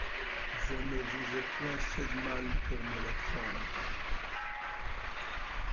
Je ne vous ai point fait de mal pour me la prendre!